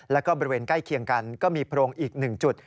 แล้วก็บริเวณใกล้เคียงกันก็มีโพรงอีก๑จุด